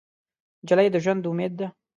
نجلۍ د ژونده امید ده.